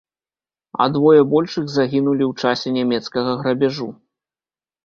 А двое большых загінулі ў часе нямецкага грабяжу.